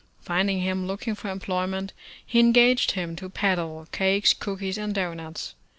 Finding him look ing for employment, he engaged him to peddle cakes, cookies and doughnuts.